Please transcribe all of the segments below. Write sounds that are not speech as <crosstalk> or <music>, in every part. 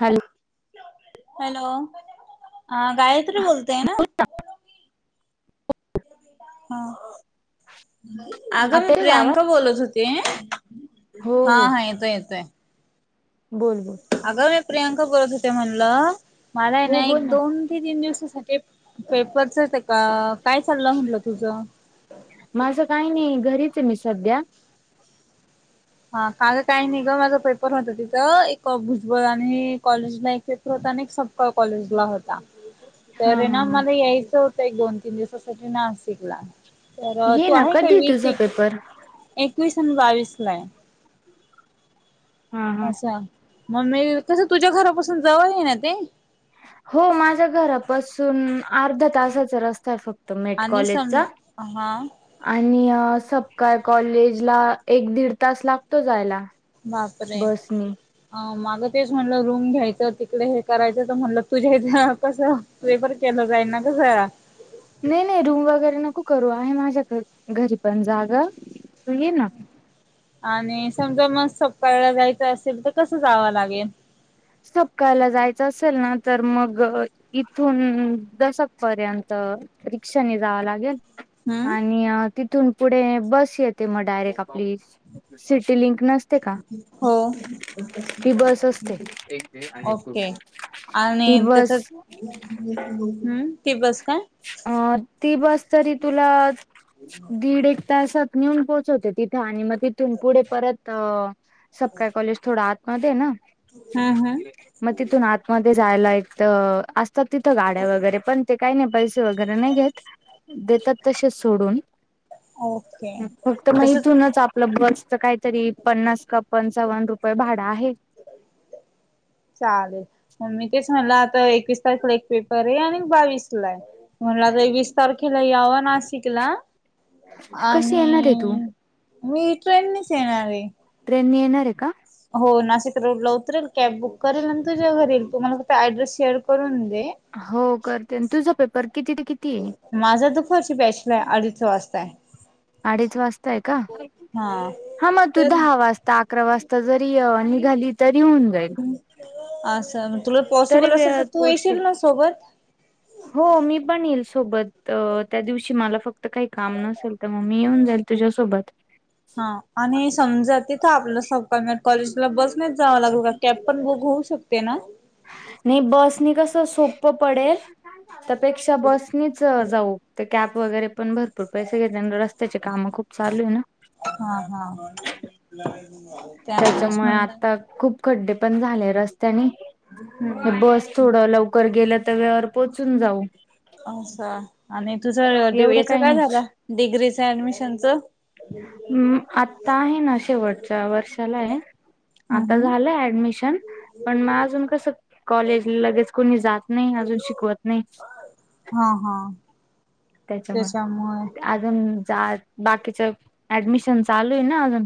Hello. Hello हा गायत्री बोलतेय ना. ह अगं आता मी येतोय का आवाज? प्रियांका बोलत होते. हो हा हो हा येतोय येतोय. बोल बोल. अगं मी प्रियांका बोलत होते म्हणलं, मला आहे हो ना बोल एक दोन ते तीन दिवसासाठी पेपरच ते का काय चाललं म्हटलं तुझं माझं काही नाही घरीच आहे मी सध्या हा काल काही नाही गं माझं पेपर होत, तिथं एक भुजबळ आणि कॉलेजला एक पेप होता आणि एक सपकाळ कॉलेजला होता. हा तरी हा ना हा मला यायचं होतं, एक, दोन, तीन दिवसासाठी नाशिकला तर ये तू ना आहे काय कधी वीस तुझा एकवी पेपर एकवीस आणि बावीसला हाय. हा हा असा ममे तसं तुझ्या घरापासून जवळ ये ना ते हो माझ्या घरापासून अर्धा तासाचा रस्ता आहे फक्त त मेट आणि सम कॉलेजचा. हा आणि सपकाळ कॉलेज ला एक दीड तास लागतो जायला. बापरे! बसनी अ माग तेच म्हटलं रूम घ्यायचं तिकडे हे करायचं तर म्हणलं तुझ्या हिथनं कसं पेपर केलं जाईल ना घया नाही नाही रूम वगैरे नको करू आहे, माझ्या घ घरी पण जागा तु येे ना. आणि समजा म सपकाळला जायचं असेल तर कसं जावाव लागेल. सपकाळला जायचं असेल ना तर मग इथून दशक पर्यंत रिक्षाने जावावं लागेल. हम्म आणि तिथून पुढे बस येते म डायरेक्ट आपली सिटी लिंक नस हो एक मिनटं ओके आहे <unintelligible> ती आणि त्याच बस हम्म ती बस काय अ ती बस तरी तुला दीड एक तासात नेऊन पोहोचवते तिथं आणि मग तिथून पुढे परत अ सपकाळ कॉलेज थोडं आतमध्ये आहे ना. हम्म हम्म म तिथून आतमध्ये जायला एक तर असतात, तिथं गाड्या वगैरे पण ते काही नाही पैसे वगैरे नाही घेत देतात तशेच सोडून ओके फक्त मग तसच इथूनच आप आपलं बसचं काहीतरी पन्नास का पंचावन्न रुपये भाडं आहे. चालेल म मी तेच म्हटलं आता एकवीस तारीखेला एक पेपर ये आणि बावीसला हाय. म्हणला तर वीस तारखेला यावं नाशिक ला कशी येणार आहे तू आणि मी ट्रेननेच येणार ये ट्रेनने येणार आहे का? हो नाशिक रोडला उतरेल कॅब बुक करेल आणि तुझ्या घरी येल तुम्हाला फक्त ऍड्रेस शेअर करून दे हो करते तुझं पेपर किती ते कितीये माझा तर फर्स्ट बॅचला हाय अडीच वाजताय. अडीच वाजताय हाय का? हा हा मग तु तर दहा वाजता अकरा वाजता. आता जरी निघाली तरी होऊन जाईल. असं तुला तरी पॉसिबल असंल तर वेळात तू पोहोचशील. येशील ना सोबत. हो मी पण येईल सोबत त्या दिवशी मला फक्त काही काम नसेल. मग मी येऊन जाईल तुझ्यासोबत. हा आणि समजा तिथं आपलं सरकार कॉलेजला बसनेच जावं लागल का, कॅब पण बुक होऊ शकते ना. नाही बसनी कसं सोपं पडेल. त्यापेक्षा बसनीच जाऊ. ते कॅब वगैरे पण भरपूर पैसे घेतले आणि रस्त्याची कामं खूप चालू आहे ना. हा हा. त्यामुळेच त्याच्यामुळे म्हणलं आता खूप खड्डे पण झाले रस्त्याने. हम्म. बस थोडं लवकर गेलं तर वेळेवर पोहचून जाऊ. अच्छा. आणि तुझं डी एवढं वाय च काही काय नाही झालं डिग्रीच ऍडमिशनच? हम आता आहे ना. शेवटच्या वर्षाला आहे हम्म आता हम्म. झालंय ऍडमिशन. पण मग अजून कस कॉलेज लगेच कोणी जात नाही. अजून शिकवत नाही. हा हा. त्याच्यामुळे अजून जा बाकीच ऍडमिशन चालू आहे ना अजून.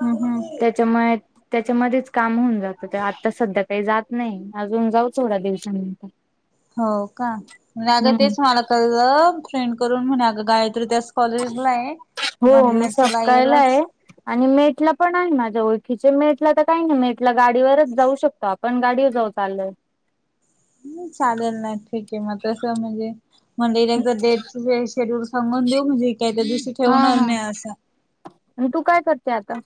हम्म हम्म. त्याच्यामुळे त्याच्यामध्येच काम होऊन जातं. ते आता सध्या काही जात नाही. अजून जाऊ थोडा दिवसानंतर हो का. अगं हम्म तेच मला कळलं फ्रेंड करून म्हण अगं गायत्री त्या कॉलेज नाही. हो मी म्हटलं चला सपकायला येलाच आहे आणि मेटला पण आहे. माझ्या ओळखीचे मेटला तर काही नाही. मेटलं गाडीवरच जाऊ शकत. आपण गाडीवर जाऊ चालत. चालेल नाही ठीक आहे. मग तसं म्हणजे म्हणजे एकदा डेट शेड्यूल सांगून देऊ. म्हणजे काही त्या दिवशी हा ठेवणार हा नाही असं. आणि तू काय करते आता?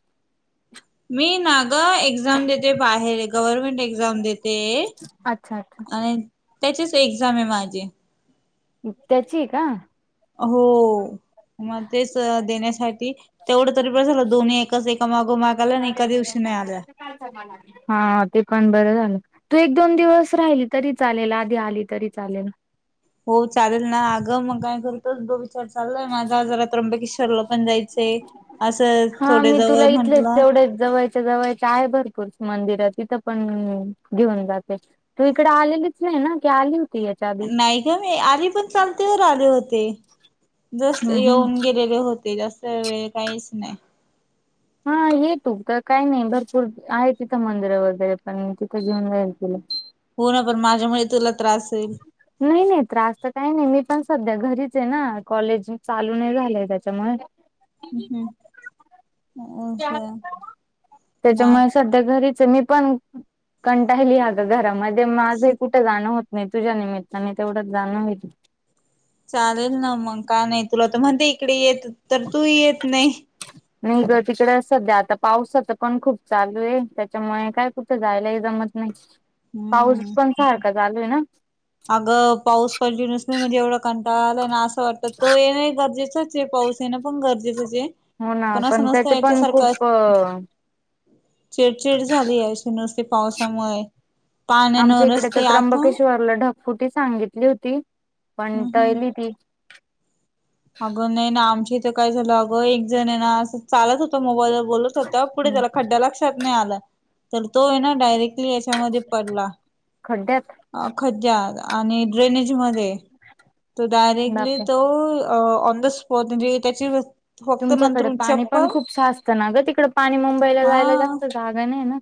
मी ना ग एक्झाम देते बाहेर गव्हर्नमेंट एक्झाम देते. अच्छा अच्छा ते आणि त्याचेच एक्झाम आहे माझे. त्याची का. हो मग तेच देण्यासाठी तेवढं तरी बास झालं. दोन्ही एकाच एका मागो माग आल्या आणि एका दिवशी नाही आल्या. कालच्या मानाने. हा ते पण बरं झालं. तू एक दोन दिवस राहिली तरी चालेल. आधी आली तरी चालेल. हो चालेल ना. अगं मग काय कर च दो विचार चाललाय माझा आणि आज जरा त्र्यंबकेश्वरला पण जायचंय. असं हा थोडे मी जवळ तुला इथलेच म्हंटलं तेवढेच जवळचे त्याच्या जवळच्या आहेत. भरपूर मंदिर तिथं पण घेऊन जाते. तू इकड आलेलीच नाही ना की आली होती? याच्या आधी नाही गं मी आली पण चालतेवर आले होते. जस्त हम्म हम्म. येऊन गेलेले होते. जास्त वेळ काहीच नाही. हा ये तू तर काही नाही. भरपूर आहे तिथं मंदिर वगैरे पण तिथं घेऊन जाईल तुला. हो ना. पण माझ्यामुळे तुला त्रास होईल. नाही नाही. त्रास तर काही नाही. मी पण सध्या घरीच आहे ना. कॉलेज चालू नाही झालंय त्याच्यामुळे हम् हम्म. असं ना त्याच्यामुळे सध्या घरीच आहे. मी पण कंटाळली अगं. घरामध्ये माझं ही कुठ जाणं होत नाही. तुझ्या निमित्ताने तेवढंच जाणं होइल. चालेल ना. मग काय नाही तुला तर म्हणते इकडे येत. तर तू येत नाही. नाही ग. तिकडे सध्या आता पावसाच पण खूप चालू आहे त्याच्यामुळे काय कुठं जायलाही जमत नाही, पाऊस हम्म पण सारखा चालूयं ना अगं पाऊस कंटिन्युस नाही म्हणजे एवढा कंटाळा आलायना असं वाटतं तो येणे गरजेचं चे पाऊस येण पण गरजेचंच आहे हो ना पण असं नसत त्याचे याच्या पण सारखं खूप अ, चिड़चिड़ झालीय अशी नुसती पावसामुळे पाण्यानं आमच्या इकडे त्या रस्ते आता त्र्यंबकेश्वरला ढकफुटी सांगितली होती, पण हम् हम् टळली ती अगं नई ना आमचे इथे काय झालं अगं एक जणं ना असं चालत होता मोबाईलवर बोलत होता पुढे हम्म त्याला खड्डा लक्षात नाही आला, तर तोय ना डायरेक्टली त्या मध्ये पडला खड्ड्यात अ खड्यात आणि ड्रेनेज मध्ये, तो डायरेक्टली बापरे तो अ ऑन द स्पॉट म्हणजे त्याची फक्त तुमच्याकडे नंतर पाणी चप्पल पण खूप साचतं ना गं तिकडे पाणी मुंबईला हा जायला जास्त जागा नाही ना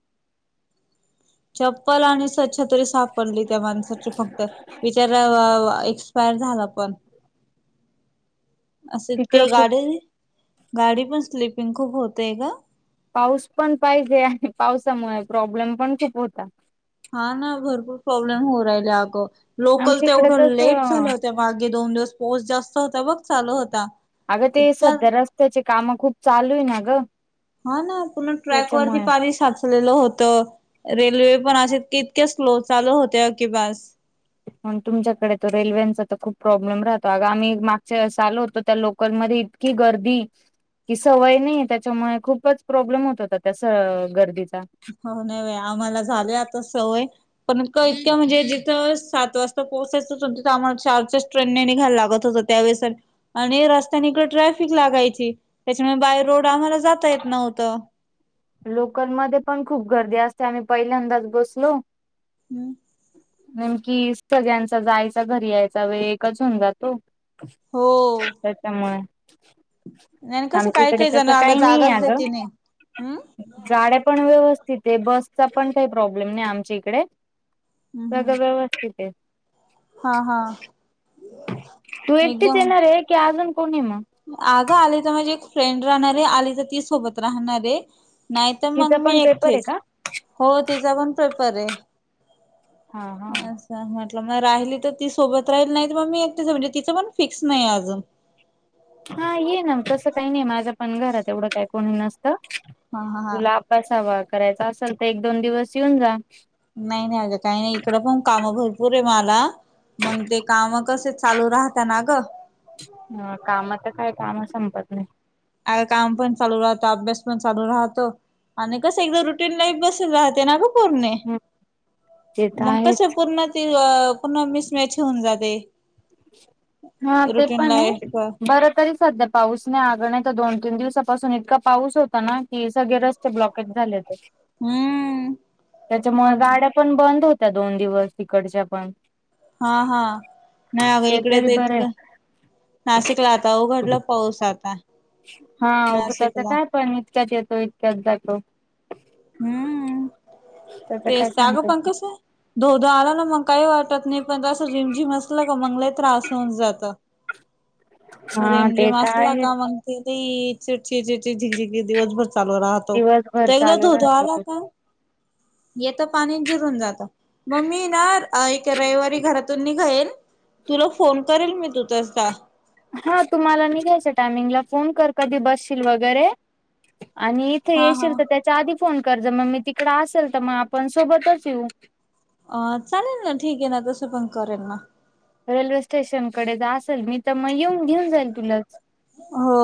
चप्पल आणि स्वच्छ तरी सापडली त्या माणसाची फक्त बिचारा अ एक्सपायर झाला पण <inaudible> असं इतके तिकड खूप गाडी, गाडी पण स्लिपिंग खूप होतेय गं पाऊस पण पाहिजे आणि पावसामुळे प्रॉब्लेम पण खूप होता हा ना भरपूर प्रॉब्लेम होऊ राहिले अगं, लोकल आमच्या इकडे तेवढ्या तर लेट झालं होत्या मागे दोन दिवस पोस जास्त होता बघ चालू होता अगं ते इतका सध्या रस्त्याचे कामं खूप चालूय ना गं हा ना पुर्ण ट्रॅक वरती पाणी साच लेलं होत. रेल्वे पण अशे इतक्या स्लो चालू होत्या की बस मंग तुमच्याकडे तर रेल्वेंचा तर खूप प्रॉब्लेम राहतो अग आम्ही मागच्या वेळेसं आलो होतो त्या लोकलमध्ये की गर्दी ती सवय नाहीय त्याच्यामुळे खूपच प्रॉब्लेम होत होता त्या स गर्दीचा हो नाही बाई, आम्हाला झाले आता सवय पण इतक इतक्या म्हणजे जिथं सात वाजता पोचायचंच होत ना आम्हाला चारचा ट्रेनने निघायला लागत होतं त्यावेळेस आणि रस्त्यान इकड ट्रॅफिक लागायची त्याच्यामुळे बाय रोड आम्हाला जाता येत नव्हतं लोकलमध्ये पण खूप गर्दी असते आम्ही पहिल्यांदाच बसलो हम्म नेमकी सगळ्यांचा जायचा घरी यायचा वेळ एकच होऊन जातो <unintelligible> हो त्याच्यामुळे नाय अनं कसं आमच्या काय, इकडे काही जण तसं आगं नाही जागाच अगं. देति नही, हम् गाड्या पण व्यवस्थितं, बसचा पण काही प्रॉब्लेम नाही आमच्या इकडे हम्म हम्म सगळ व्यवस्थित आहे. हा हा तू एकटीच येणारं की अजून कोणी मग म अगं आली तर माझी एक फ्रेंड राहणारं आली तर ती सोबत राहणारं नाहीतर मग तिचा मी पण पेपर आहे एकटीच, का? हो तिचा पण पेपरं हा हा असं म्हटलं मग राहिली तर ती सोबत राहील नाही त मग मी एकटीचं म्हणजे तिचं पण फिक्स नाही अजून हा येना तसं काही नाही माझं पण घरात एवढं काही कोणी नसतं, हा हा हा तुला बसावा करायचा असल तर एक दोन दिवस येऊन जा नाही नाही अगं काही नाही इकडं पण कामं भरपूरं मला मंग ते काम कसे चालू राहता ना ग? हं. काम तर काय काम संपत नाही. <unintelligible> काम पण चालू राहतं. अभ्यास पण चालू राहतो. आणि कसं एकदा रुटीन लाईफ बसेल राहते ना ग? पूर्णे. ते तर मग आहे कश पूर्ण? ते पुन्हा मिसमॅच होऊन जातय. हां. ते पण लाईफ आहे. का बरं तरी - सध्या पाऊस नाही. अगं नाहीतर दोन तीन दिवसापासून इतका पाऊस होता ना की सगळे रस्ते ब्लॉकच झाले होते. हम्म त्याच्यामुळे मग गाड्या पण बंद होत्या दोन दिवस तिकडच्या पण. हां. हां. नाही अगं ते इकडे तरी तर बरे इतकं- नासिकला आता उघडला पाऊस आता. हां. उगं त्याच नाशिकला काय पण इतक्यात येतो इतक्यात जातो. हम्म. त्याच काय अग सांगता पण येत ते कसंय? धो धो आला ना मग काही वाटत नाही. पण असं रिमझिम असलं का मंग लई त्रास होऊन जातो. हा. ते तर असला आहे. का मग ते लई चिक चिक झिग झीग दिवसभर चालू राहत. दिवसभर चालू राहतं ते. येतं पाणी आणि जिरून जातं. म मी ना एक रविवारी घरातून निघेन. तुला फोन करेल मी तू तसा. हा. तू मला निघायच्या टायमिंगला फोन कर कधी बसशील वगैरे आणि - इथं हा हा येशील तर त्याच्या आधी फोन कर जर मग मी तिकडे असेल त मग आपण सोबतच येऊ. अं. चालेल ना. ठीक आहे ना. तसं पण करेल ना. रेल्वे स्टेशनकडे जर असेल मी तर मग येऊन घेऊन जाईल तुलाच. हो.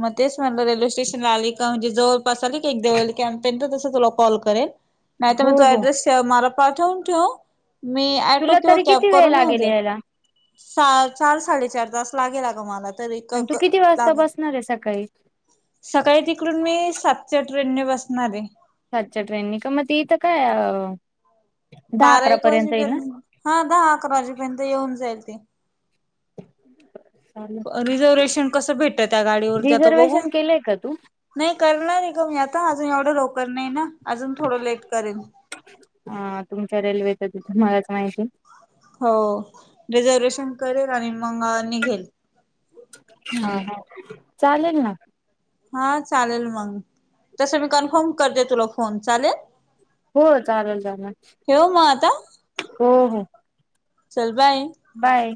म तेच म्हटलं रेल्वे स्टेशनला आली का म्हणजे जवळ - -पास आली का एक देवळाली कॅम्प पर्यंत. तुला कॉल करेल. नाहीतर मग हो तू हो. ऍड्रेस - त मला पाठवून ठेव. मी ऑटो तुला किंवा तरी कॅब किती वेळ करून येऊन लागेल जाईल. यायला? सा चार साडेचार तास लागेल अगं मला - तरी क आणि तू क किती वाजता लागण. बसणार आहे सकाळी सकाळी तिक - -डून मी सातच्या ट्रेनने बसणार ए. सातच्या ट्रेननी का? मग ती इथं का अ - बारा एक वाजेपर्यंत. हां. दहा अकरा वाजेपर्यंत येऊन जाईल ती. ना? अ रिझर्वेशन कसं भेटतं त्या गाडीवर ते आता बघू. रिझर्वेशन केलंय का तू नाही करणार आहे गं मी. आता अजून एवढं लवकर नाही ना? अजून थोडं लेट करेन. हां. तुमच्या रेल्वेच तिथे तुम्हालाच माहिती. हो. रिझर्वेशन करेल आणि मंग अ निघेल. हां. हम्म. हां. चालेल ना. हां. चालेल मग. तसं मी कन्फर्म करते तुला फोन चालेल? हो. चालेल चालेल. ठेवू मग आता. हो हो. चल बाय. बाय.